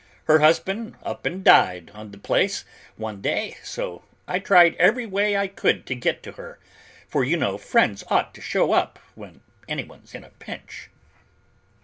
Her husband up and died on the place, one day, so I tried every way I could to get to her, for you know friends ought to show up when anyone's in a pinch."